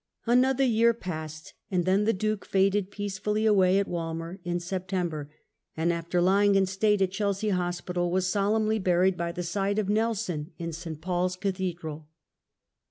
Another year passed, and then the Duke faded peacefully away at Walmer, in September; and after lying in state at Chelsea Hospital, was solemnly buried by the side of Nekon in St. Paul's Cathedral.